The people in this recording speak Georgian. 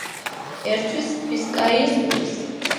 ერთვის ბისკაიის ყურეს.